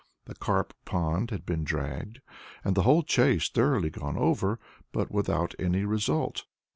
The carp pond had been dragged, and the whole Chase thoroughly gone over, but without any result.